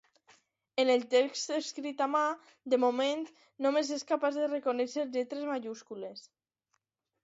En el text escrit a mà, de moment, només és capaç de reconèixer lletres majúscules.